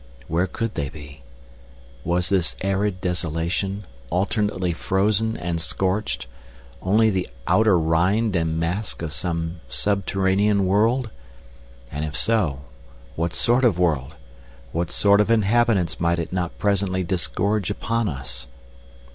Where could they be? Was this arid desolation, alternately frozen and scorched, only the outer rind and mask of some subterranean world? And if so, what sort of world? What sort of inhabitants might it not presently disgorge upon us?